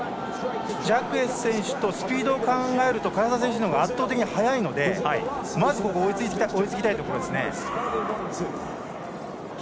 ジャクエス選手とスピードを考えると唐澤選手のほうが圧倒的に速いのでまず、ここ追いつきたいですね。